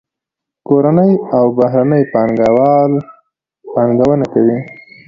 کورني او بهرني پانګه وال پانګونه کوي.